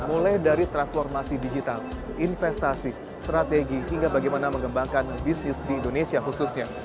mulai dari transformasi digital investasi strategi hingga bagaimana mengembangkan bisnis di indonesia khususnya